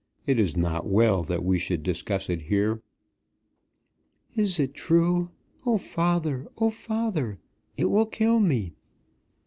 It is not well that we should discuss it here." "Is it true? Oh, father; oh, father; it will kill me."